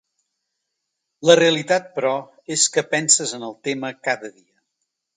La realitat però, és que penses en el tema cada dia.